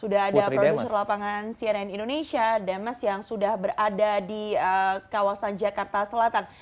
sudah ada produser lapangan cnn indonesia demes yang sudah berada di kawasan jakarta selatan